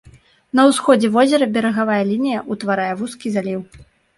На ўсходзе возера берагавая лінія ўтварае вузкі заліў.